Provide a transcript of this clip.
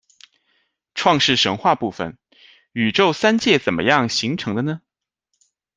创世神话部分，《宇宙三界怎么样形成的呢？